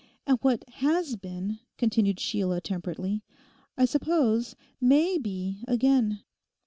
'And what has been,' continued Sheila temperately, 'I suppose may be again.